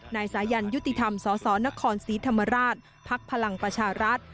นายสายันยุติธรรมสนศรีธรรมราชพภลังประชารัฐ